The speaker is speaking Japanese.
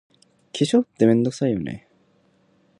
化粧って、めんどくさいよね。